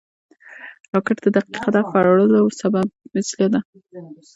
راکټ د دقیق هدف وړلو وسیله ده